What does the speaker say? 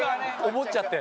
思っちゃって。